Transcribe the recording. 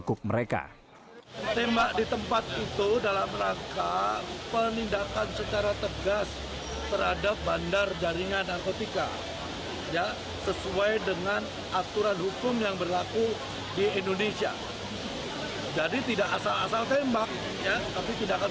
siap melakukan perlawanan terhadap aparat yang akan membekuk mereka